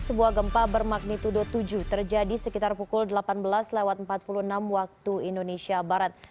sebuah gempa bermagnitudo tujuh terjadi sekitar pukul delapan belas empat puluh enam waktu indonesia barat